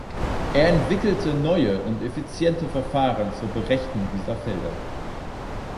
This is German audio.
Er entwickelte neue und effiziente Verfahren zur Berechnung dieser Felder.